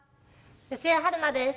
吉江晴菜です。